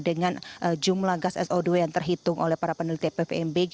dengan jumlah gas so dua yang terhitung oleh para peneliti pvmbg